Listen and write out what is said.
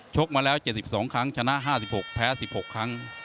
กมาแล้ว๗๒ครั้งชนะ๕๖แพ้๑๖ครั้ง